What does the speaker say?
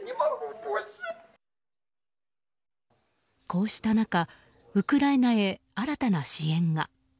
こうした中、ウクライナへ新たな支援が。